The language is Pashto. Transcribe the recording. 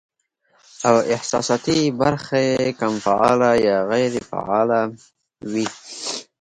او احساساتي برخه ئې کم فعاله يا غېر فعاله وي